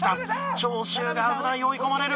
長州が危ない追い込まれる。